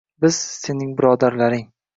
Biz — Sening birodarlaring.